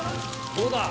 ・どうだ？